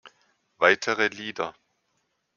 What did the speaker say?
Weitere Lieder